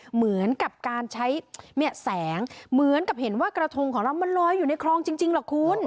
เหมือนกับการใช้เนี่ยแสงเหมือนกับเห็นว่ากระทงของเรามันลอยอยู่ในคลองจริงหรอกคุณ